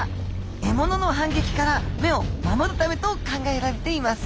獲物の反撃から目を守るためと考えられています。